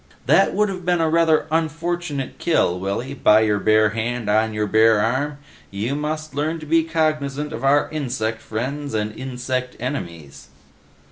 "That would have been a rather unfortunate kill, Willy, by your bare hand on your bare arm. You must learn to be cognizant of our insect friends and insect enemies."